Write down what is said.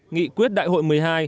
nghị quyết đại hội một mươi hai